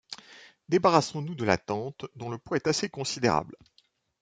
Débarrassons-nous de la tente, dont le poids est assez considérable.